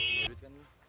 nggak ada duit kan ini